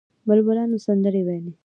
بلبلانو سندرې ویلې.